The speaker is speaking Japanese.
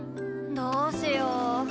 どうしよう。